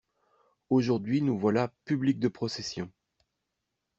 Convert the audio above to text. Aujourd'hui nous voilà public de procession!